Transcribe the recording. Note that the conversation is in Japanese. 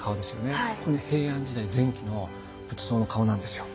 これ平安時代前期の仏像の顔なんですよ。